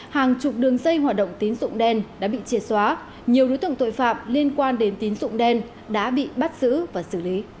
hàng chục đường xây hoạt động tín dục đen đã bị chìa xóa nhiều đối tượng tội phạm liên quan đến tín dục đen đã bị bắt giữ và xử lý